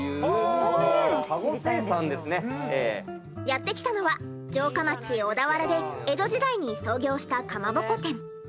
やって来たのは城下町・小田原で江戸時代に創業したかまぼこ店。